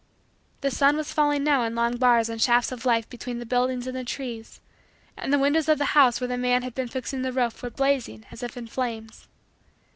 The sun was falling now in long bars and shafts of light between the buildings and the trees, and the windows of the house where the man had been fixing the roof were blazing as if in flames.